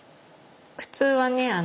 普通はね